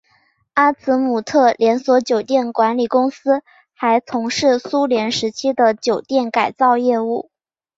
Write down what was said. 阿兹姆特连锁酒店管理公司还从事苏联时期的酒店改造业务。